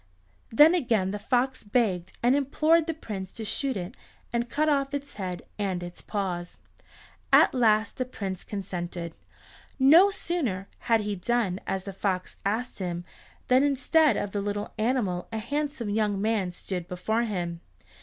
Then again the fox begged and implored the Prince to shoot it and cut off its head and its paws. At last the Prince consented. No sooner had he done as the fox asked him, than instead of the little animal a handsome young man stood before him.